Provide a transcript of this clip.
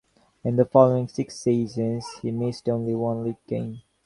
In the following six seasons he missed only one League game.